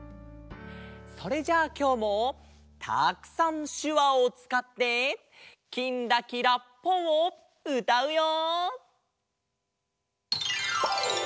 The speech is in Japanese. それじゃあきょうもたくさんしゅわをつかって「きんらきらぽん」をうたうよ！